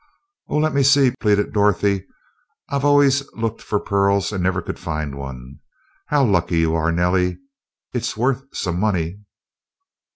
"Oh, let me see," pleaded Dorothy. "I've always looked for pearls, and never could find one. How lucky you are, Nellie. It's worth some money."